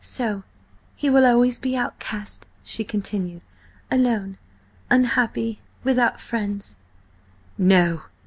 "So he will always be outcast," she continued "Alone, unhappy, without friends—" "No!"